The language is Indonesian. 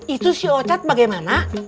itu si ocat bagaimana